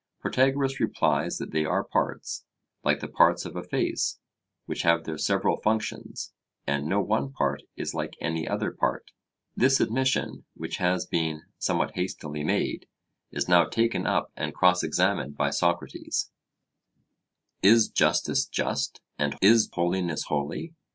Protagoras replies that they are parts, like the parts of a face, which have their several functions, and no one part is like any other part. This admission, which has been somewhat hastily made, is now taken up and cross examined by Socrates: 'Is justice just, and is holiness holy?